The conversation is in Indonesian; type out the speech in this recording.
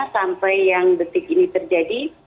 sampai yang detik ini terjadi